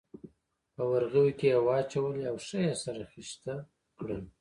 په ورغوي کې یې واچولې او ښه یې سره خیشته کړل.